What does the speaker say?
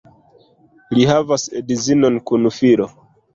Li havas edzinon kun filo.